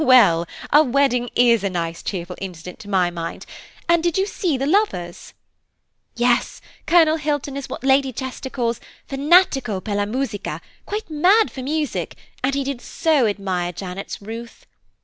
"Well, a wedding is a nice cheerful incident to my mind–and did you see the lovers?" "Yes, Colonel Hilton is what Lady Chester calls Fanatico per la musica, quite mad for music, and he did so admire Janet's Ruth."